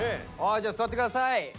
じゃあ座って下さい。